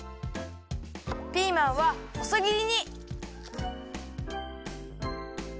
ピーマンはほそぎりに。